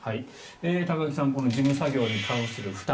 高木さんこの事務作業に関する負担。